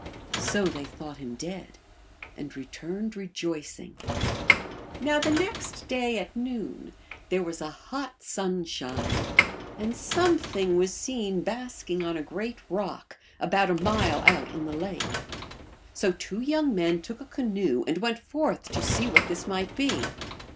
So they thought him dead, and returned re joicing. Now the next day at noon there was a hot sun shine, and something was seen basking on a great rock, about a mile out in the lake. So two young men took a canoe and went forth to see what this might be.